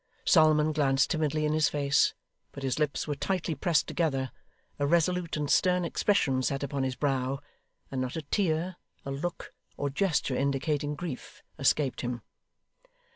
Solomon glanced timidly in his face, but his lips were tightly pressed together, a resolute and stern expression sat upon his brow, and not a tear, a look, or gesture indicating grief, escaped him.